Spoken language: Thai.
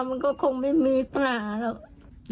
มันก็คงไม่มีปัญหาหรอก